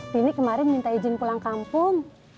dini kemarin minta izin pulang kampung